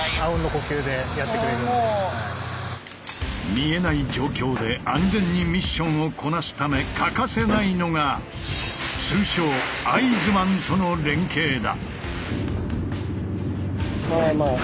見えない状況で安全にミッションをこなすため欠かせないのが通称合図マンとの連携だ。